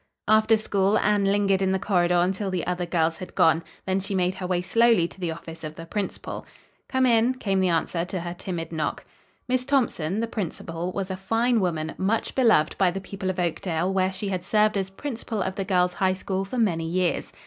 After school Anne lingered in the corridor until the other girls had gone. Then she made her way slowly to the office of the principal. "Come in," came the answer to her timid knock. Miss Thompson, the principal, was a fine woman, much beloved by the people of Oakdale where she had served as principal of the Girls' High School for many years.